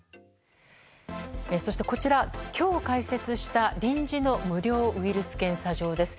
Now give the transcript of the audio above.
そして、こちら今日、開設した臨時の無料ウイルス検査場です。